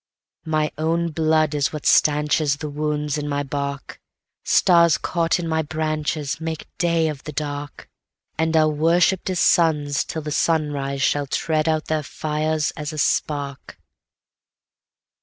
My own blood is what stanchesThe wounds in my bark:Stars caught in my branchesMake day of the dark, And are worshipp'd as suns till the sunrise shall tread out their fires as a spark.